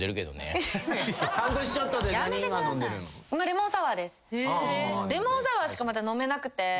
レモンサワーしかまだ飲めなくて。